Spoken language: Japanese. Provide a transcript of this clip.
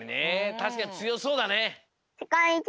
たしかにつよそうだね。